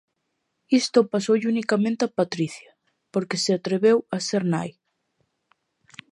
Isto pasoulle unicamente a Patricia porque se atreveu a ser nai.